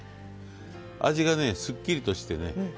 味がすっきりとしてね